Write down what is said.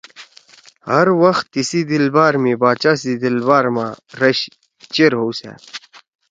ہروخ تیِسی دلبار می باچا سی دلبار ما رش چیر ہؤسأد۔